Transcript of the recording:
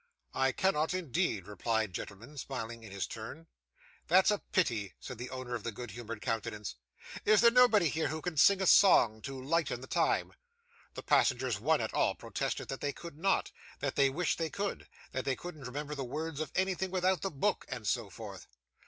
'I cannot indeed,' replied gentleman, smiling in his turn. 'That's a pity,' said the owner of the good humoured countenance. 'Is there nobody here who can sing a song to lighten the time?' The passengers, one and all, protested that they could not; that they wished they could; that they couldn't remember the words of anything without the book; and so forth.